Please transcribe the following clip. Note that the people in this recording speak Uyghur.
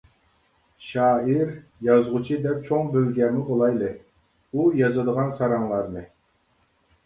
شائىر، يازغۇچى دەپ چوڭ بىلگەنمۇ بولايلى، ئۇ يازىدىغان ساراڭلارنى!